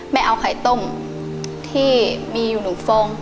เอาไข่ต้มที่มีอยู่๑ฟอง